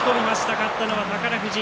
勝ったのは宝富士。